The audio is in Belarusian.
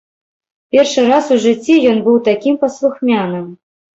Першы раз у жыцці ён быў такім паслухмяным.